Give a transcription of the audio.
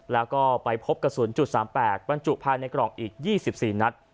แล้วก็ไปพบกระสุนจุดสามแปดบรรจุภายในกล่องอีกยี่สิบสี่นัด